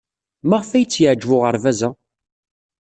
Maɣef ay tt-yeɛjeb uɣerbaz-a?